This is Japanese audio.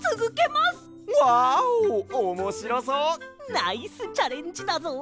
ナイスチャレンジだぞ！